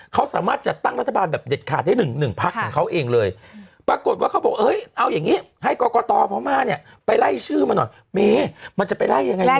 ๓๙๐ถ้าจำไม่ผิดพี่แล้วไม่ผิด